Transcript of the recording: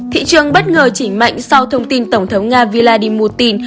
thị trường bất ngờ chỉ mạnh sau thông tin tổng thống nga vladimir putin